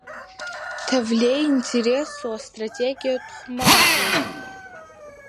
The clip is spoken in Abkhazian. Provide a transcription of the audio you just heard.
Ҭавлеи иинтересу астратегиатә хәмарроуп.